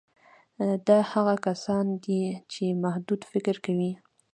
دا هغه کسان دي چې محدود فکر کوي